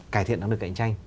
cải thiện ở nước cạnh tranh